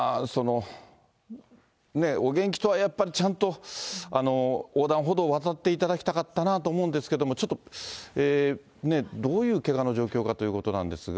お元気とはやっぱりちゃんと横断歩道を渡っていただきたかったなと思うんですけれども、ちょっとね、どういうけがの状況かということなんですが。